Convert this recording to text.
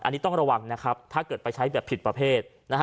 อันนี้ต้องระวังนะครับถ้าเกิดไปใช้แบบผิดประเภทนะฮะ